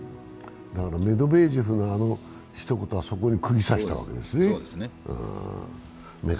メドベージェフのあのひと言はそこにくぎを刺したわけですね。